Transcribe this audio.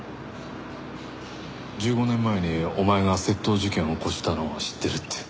１５年前にお前が窃盗事件を起こしたのを知ってるって。